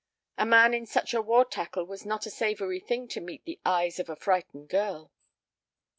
A man in such a war tackle was not a savory thing to meet the eyes of a frightened girl.